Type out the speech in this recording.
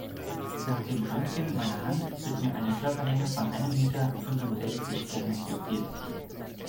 Nach dem Röntgen meiner Hand wird mir eine Körperlänge von einem Meter fünfundsechzig prognostiziert.